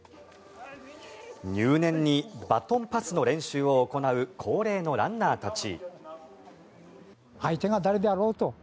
入念にバトンパスの練習を行う高齢のランナーたち。